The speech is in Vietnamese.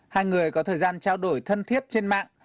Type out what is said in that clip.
hai người có thời gian trao đổi thân thiết trên mạng